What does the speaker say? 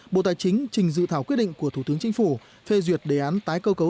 bộ tài chính trình dự thảo quyết định của thủ tướng chính phủ phê duyệt đề án tái cơ cấu